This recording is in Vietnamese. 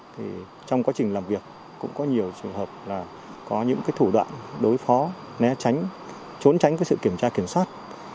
trong quá trình làm việc cũng có nhiều trường hợp là có những thủ đoạn đối phó né tránh trốn tránh với sự kiểm tra kiểm soát